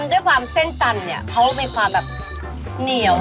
ด้วยความเส้นจันเพราะมีความแบบเหนียว